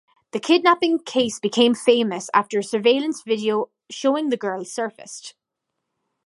The kidnapping case became famous after a surveillance video showing the girl surfaced.